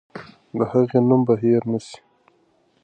د هغې نوم به هېر نه سي.